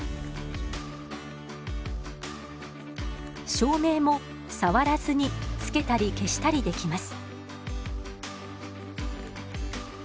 照明も触らずにつけたり消したりできます。